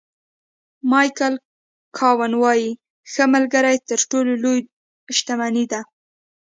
مایکل کاون وایي ښه ملګری تر ټولو لویه شتمني ده.